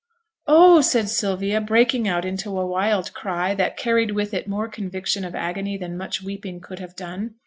'Oh!' said Sylvia, breaking out into a wild cry, that carried with it more conviction of agony than much weeping could have done.